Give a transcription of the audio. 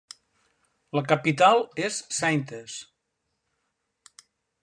La capital és Saintes.